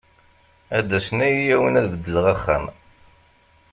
Ad d-asen ad yi-awin, ad beddleɣ axxam.